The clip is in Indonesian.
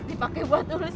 dipake buat nulis